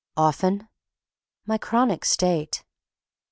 "Often?" "My chronic state."